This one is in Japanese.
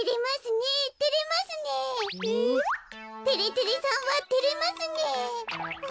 てれてれさんはてれますねえ。